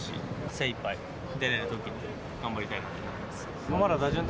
精いっぱい出れないときも頑張りたいなと思います。